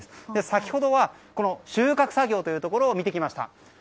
先ほどは収穫作業というところを見てきました。